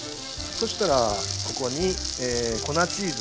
そしたらここに粉チーズ。